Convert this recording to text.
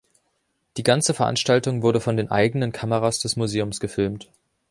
Die ganze Veranstaltung wurde von den eigenen Kameras des Museums gefilmt.